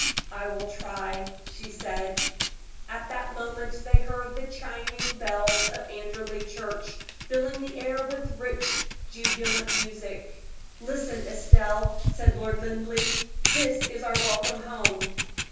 "I will try," she said. At that moment they heard the chiming bells of Anderley Church, filling the air with rich, jubilant music. "Listen, Estelle," said Lord Linleigh; "that is our welcome home."